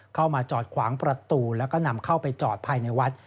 เข้ามาจอดขวางประตูแล้วก็นำเข้าไปจอดภายในวัด